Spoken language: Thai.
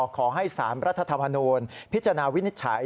ขอให้๓รัฐธรรมนูญพิจารณาวินิจฉัย